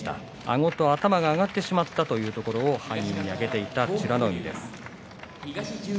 あごと頭が上がってしまったということを敗因に挙げていた美ノ海です。